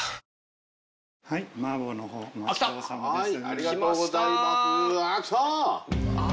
ありがとうございます！